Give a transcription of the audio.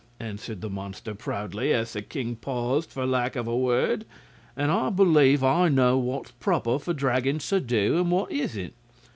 answered the monster, proudly, as the king paused for lack of a word; "and I believe I know what's proper for dragons to do and what isn't.